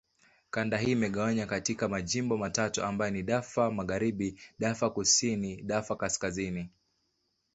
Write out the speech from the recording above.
Kanda hii imegawanywa katika majimbo matatu ambayo ni: Darfur Magharibi, Darfur Kusini, Darfur Kaskazini.